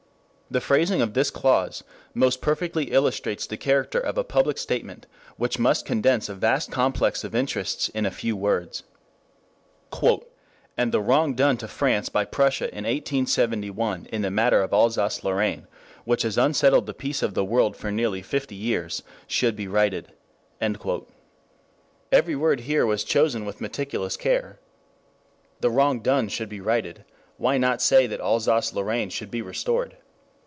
The phrasing of this clause most perfectly illustrates the character of a public statement which must condense a vast complex of interests in a few words. "And the wrong done to France by Prussia in 1871 in the matter of Alsace Lorraine, which has unsettled the peace of the world for nearly fifty years, should be righted. ..." Every word here was chosen with meticulous care. The wrong done should be righted; why not say that Alsace Lorraine should be restored?